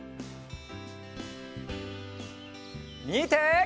みて！